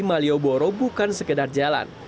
malioboro bukan sekedar jalan